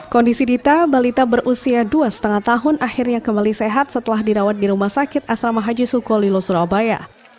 kondisi dita balita berusia dua lima tahun akhirnya kembali sehat setelah dirawat di rumah sakit asrama haji sukolilo surabaya